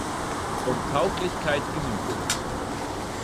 Und Tauglichkeit genüge.